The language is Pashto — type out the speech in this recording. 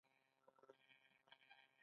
مریم منصف یوه افغانه وزیره وه.